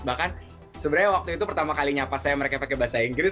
bahkan sebenarnya waktu itu pertama kali nyapa saya mereka pakai bahasa inggris